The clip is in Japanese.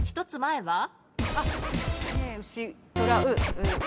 １つ前は？